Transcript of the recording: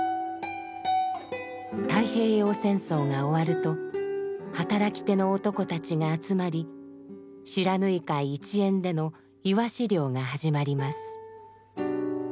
太平洋戦争が終わると働き手の男たちが集まり不知火海一円でのイワシ漁が始まります。